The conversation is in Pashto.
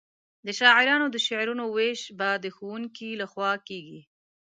د شاعرانو د شعرونو وېش به د ښوونکي له خوا کیږي.